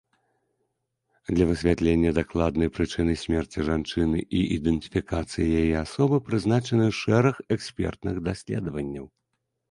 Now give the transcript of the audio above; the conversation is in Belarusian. Для высвятлення дакладнай прычыны смерці жанчыны і ідэнтыфікацыі яе асобы прызначаны шэраг экспертных даследаванняў.